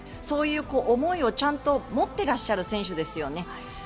そういう思いをちゃんと持っていらっしゃる選手ですよね。